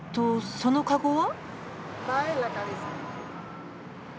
そのかごは？